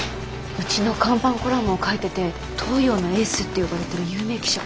うちの看板コラムを書いてて東洋のエースって呼ばれてる有名記者。